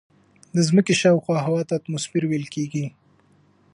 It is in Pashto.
د ځمکې شاوخوا هوا ته اتموسفیر ویل کیږي.